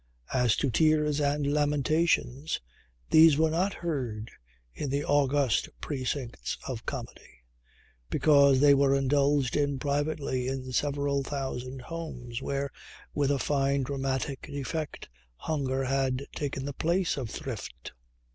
As to tears and lamentations, these were not heard in the august precincts of comedy, because they were indulged in privately in several thousand homes, where, with a fine dramatic effect, hunger had taken the place of Thrift.